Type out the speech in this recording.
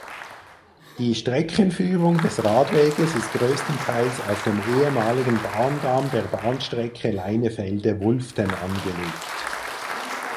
Die Streckenführung des Radweges ist größtenteils auf dem ehemaligen Bahndamm der Bahnstrecke Leinefelde–Wulften angelegt.